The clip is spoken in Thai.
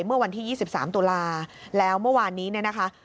เมื่อวันที่๒๓ตุลาแล้วเมื่อวานนี้เนี่ยนะคะ